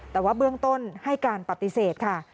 แต่ว่าเบื้องต้นให้การปฏิเสธค่ะ